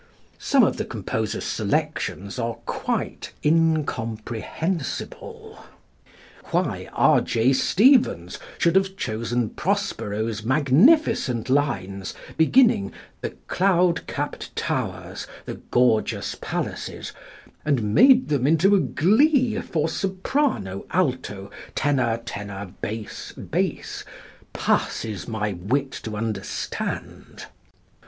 Some of the composers' selections are quite incomprehensible. Why +R. J. Stevens+ should have chosen Prospero's magnificent lines, beginning "The cloud capt towers, the gorgeous palaces," and made them into a glee for S.A.T.T.B.B., passes my wit to understand.